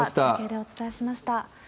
中継でお伝えしました。